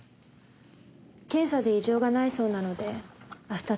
検査で異常がないそうなので明日退院します。